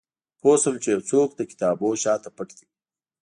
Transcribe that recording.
پوه شوم چې یو څوک د کتابونو شاته پټ دی